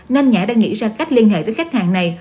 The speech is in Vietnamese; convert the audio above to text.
nên nhã đã nghĩ ra cách liên hệ với khách hàng này